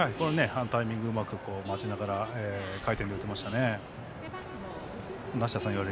タイミングをうまく待ちながら、打てましたね。